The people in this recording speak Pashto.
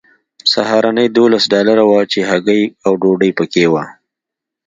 سهارنۍ دولس ډالره وه چې هګۍ او ډوډۍ پکې وه